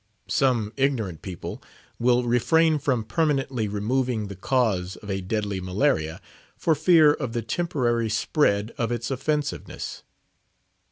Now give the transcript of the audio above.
Some ignorant people will refrain from permanently removing the cause of a deadly malaria, for fear of the temporary spread of its offensiveness.